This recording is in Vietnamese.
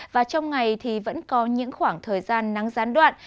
và trong ngày thì vẫn có những khoảng thời gian nắng gián đoạn